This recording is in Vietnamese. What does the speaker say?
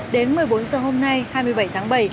đến một mươi bốn h hôm nay hai mươi bảy tháng bảy